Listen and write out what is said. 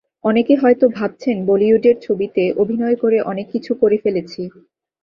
অনেকে হয়তো ভাবছেন, বলিউডের ছবিতে অভিনয় করে অনেক কিছু করে ফেলেছি।